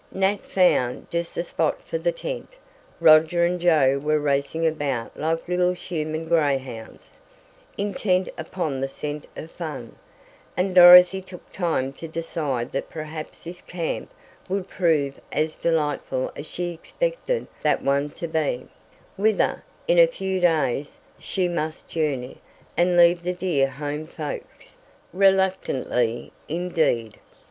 Nat found just the spot for the tent, Roger and Joe were racing about like little human greyhounds, intent upon the scent of fun, and Dorothy took time to decide that perhaps this camp would prove as delightful as she expected that one to be, whither, in a few days, she must journey, and leave the dear home folks, reluctantly, indeed.